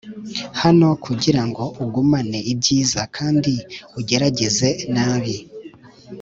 hano kugirango ugumane ibyiza kandi ugerageze nabi.